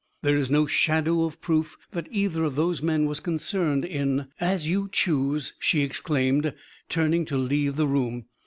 There is no shadow of proof that either of those men was concerned in " "As you choose!" she exclaimed, turning to leave the room.